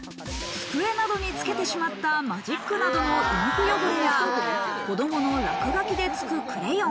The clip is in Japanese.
机などにつけてしまったマジックなどのインク汚れや、子供の落書きでつくクレヨン。